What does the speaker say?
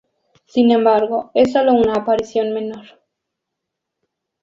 Sin embargo es solo una aparición menor.